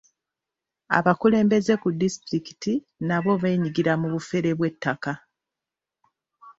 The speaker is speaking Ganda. Abakulembeze ku disitulikiti nabo beenyigira mu bufere bw'ettako.